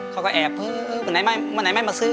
เขาก็แอบเพิ่งไหนไม่มาซื้อ